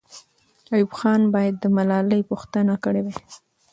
ایوب خان باید د ملالۍ پوښتنه کړې وای.